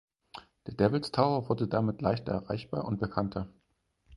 Der Devils Tower wurde damit leichter erreichbar und bekannter.